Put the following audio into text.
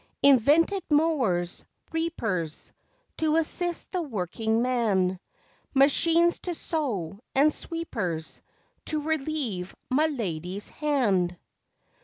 Invented mowers, reapers, To assist the working man, Machines to sew, and sweepers To relieve mi lady's hand?